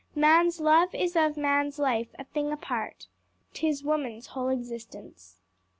"Man's love is of man's life a thing apart, 'Tis woman's whole existence."